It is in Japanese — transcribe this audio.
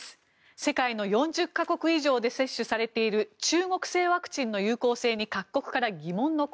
世界の４０か国以上で接種されている中国製ワクチンの有効性に各国から疑問の声。